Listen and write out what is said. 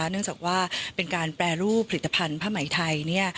เนื่องจากว่าเป็นการแปรรูปผลิตภัณฑ์ผ้าไหมไทย